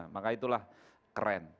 maka itulah keren